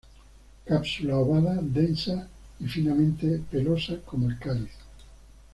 Cápsula ovada, densa y finamente pelosa como el cáliz.